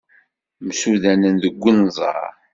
Msudanen deg unẓar.